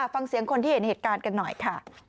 ฟังเสียงคนที่เห็นเหตุการณ์กันหน่อยค่ะ